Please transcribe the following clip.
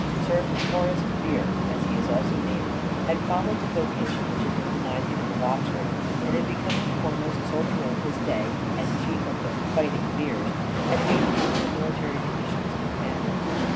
Sir Horace Vere (as he is also named}, had followed the vocation which had been denied the Earl of Oxford, and in becoming the foremost soldier of his day, and chief of the " Fighting Veres," had maintained the military traditions of the family.